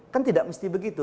kan tidak mesti begitu